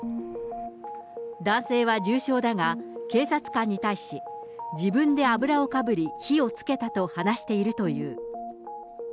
男性は重傷だが、警察官に対し、自分で油をかぶり火をつけたと話しているという。